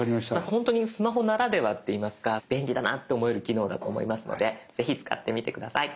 本当にスマホならではって言いますか便利だなと思える機能だと思いますのでぜひ使ってみて下さい。